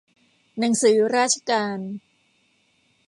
หนังสือราชการ